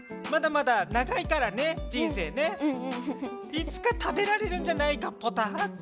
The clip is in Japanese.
いつか食べられるんじゃないかポタって。